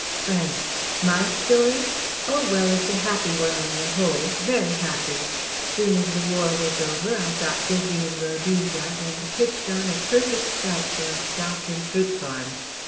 Frank: "My story? Oh well, it's a happy one on the whole very happy. Soon as the war was over, I got busy in Rhodesia and pitched on a perfect site for a stock and fruit farm.